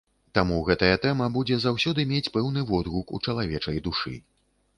Таму гэтая тэма будзе заўсёды мець пэўны водгук у чалавечай душы.